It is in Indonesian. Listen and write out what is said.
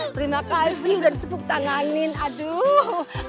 terima kasih udah ditepuk tanganin aduh